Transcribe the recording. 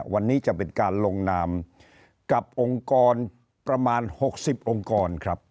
วันนี้จะเป็นการลงนามกับองค์กรประมาณ๖๐องค์กรครับ